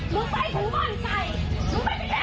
มึงไม่พามันไปกินน้ำเย็นที่บ้านกูเลย